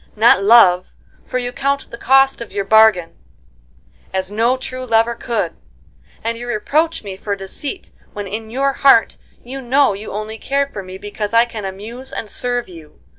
Not love, for you count the cost of your bargain, as no true lover could, and you reproach me for deceit when in your heart you know you only cared for me because I can amuse and serve you.